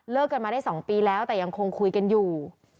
กันมาได้๒ปีแล้วแต่ยังคงคุยกันอยู่